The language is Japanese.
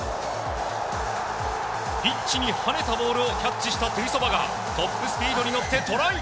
ピッチにはねたボールをキャッチしたテュイソバがトップスピードに乗ってトライ！